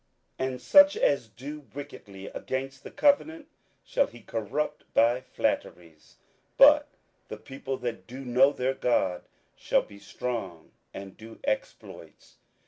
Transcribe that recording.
27:011:032 And such as do wickedly against the covenant shall he corrupt by flatteries: but the people that do know their God shall be strong, and do exploits.